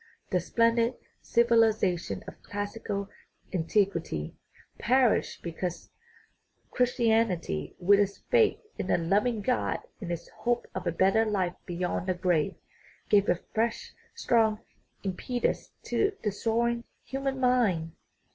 The splendid civilization of classical antiquity perished because Christianity, with its faith in a loving God and its hope of a better life beyond the grave, gave a fresh, strong impetus to the soaring human mind.